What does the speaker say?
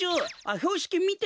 ひょうしきみて！